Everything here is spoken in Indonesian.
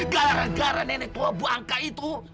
gara gara nenek tua bangka itu